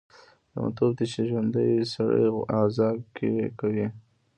لیونتوب دی چې ژوندی سړی عذاب کشه کوي.